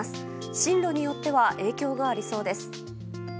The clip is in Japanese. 進路によっては影響がありそうです。